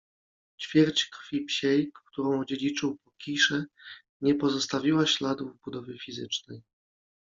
Ćwierć krwi psiej, którą odziedziczył po Kiche nie pozostawiła śladów w budowie fizycznej